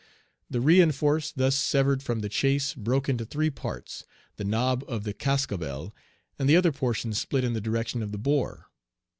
The re enforce thus severed from the chase broke into three parts, the nob of the cascabel, and the other portion split in the direction of the bore.